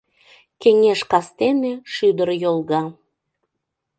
Кеҥеж кастен шӱдыр йолга —